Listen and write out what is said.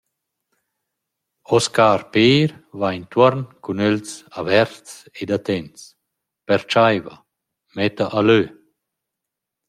Oscar Peer va intuorn cun ögls averts ed attents, pertschaiva, metta a lö.